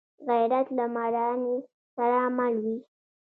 غیرت له مړانې سره مل وي